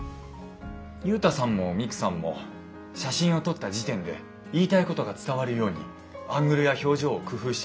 ユウタさんもミクさんも写真を撮った時点で言いたいことが伝わるようにアングルや表情を工夫していましたよね。